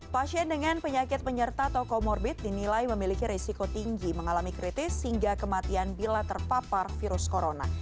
pasien dengan penyakit penyerta tokomorbid dinilai memiliki risiko tinggi mengalami kritis hingga kematian bila terpapar virus corona